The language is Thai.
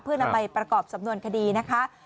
เพื่อนำไปประกอบสำนวนคดีนะคะ